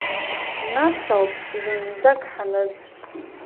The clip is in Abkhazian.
Нас ауп зынӡак ҳаныӡ!